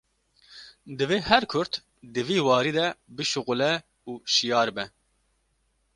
Divê her Kurd di vî warî de bişixule û şiyar be